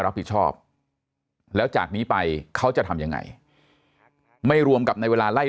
รับผิดชอบแล้วจากนี้ไปเขาจะทำยังไงไม่รวมกับในเวลาไล่